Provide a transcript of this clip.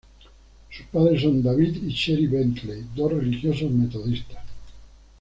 Sus padres son David y Cherie Bentley, dos religiosos metodistas.